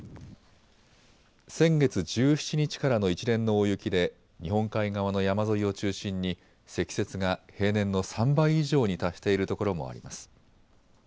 先月１７日からの一連の大雪で日本海側の山沿いを中心に積雪が平年の３倍以上に達しているところもあります。